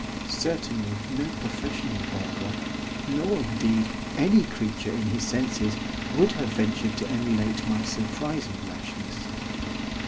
Certainly no professional burglar, nor, indeed, any creature in his senses, would have ventured to emulate my surprising rashness.